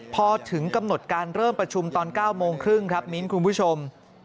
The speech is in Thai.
พอถึงกำหนดการเริ่มประชุมตอน๙โมงครึ่งครับมิ้นคุณผู้ชม